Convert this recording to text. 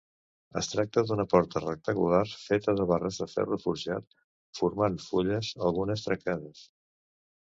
Es tracta d'una porta rectangular, feta de barres de ferro forjat, formant fulles, algunes trencades.